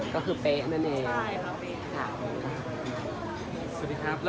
กระโปมสางตัดต้องเป็นไซส์ไม่เท่านั้น